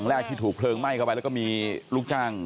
สวยชีวิตทั้งคู่ก็ออกมาไม่ได้อีกเลยครับ